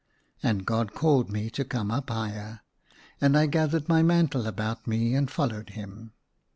169 And God called me to come up higher, and I gathered my mantle about me and followed him.